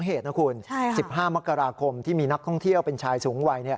เหตุนะคุณ๑๕มกราคมที่มีนักท่องเที่ยวเป็นชายสูงวัย